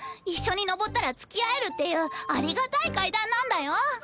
一緒に上ったらつきあえるっていうありがたい階段なんだよ！